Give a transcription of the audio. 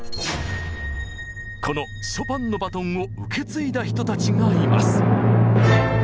このショパンのバトンを受け継いだ人たちがいます。